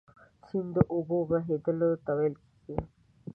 سیند د اوبو بهیدلو ته ویل کیږي.